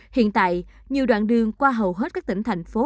hiện tại nhiều đoạn đường qua hầu hết các tỉnh thành phố